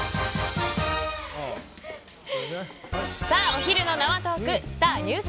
お昼の生トークスター☆